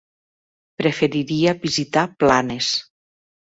Preferiria visitar Planes.